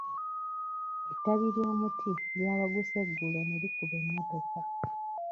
Ettabi ly'omuti lyawaguse eggulo ne likuba emmotoka.